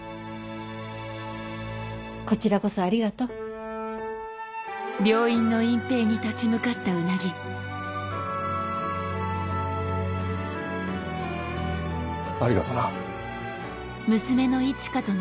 こちらこそありがとう。ありがとな。